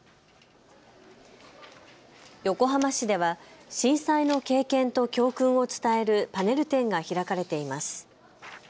横浜市では震災の経験と教訓を伝えるパネル展が開かれています。